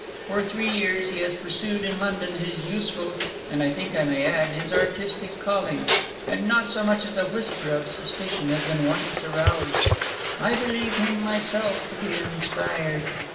For three years he has pursued in London his useful and, I think I may add, his artistic calling; and not so much as a whisper of suspicion has been once aroused. I believe him myself to be inspired.